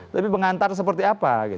tapi pengantar seperti apa